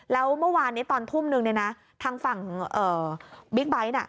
แล้วเมื่อวานตอนทุ่มหนึ่งทางฝั่งบิ๊กไบท์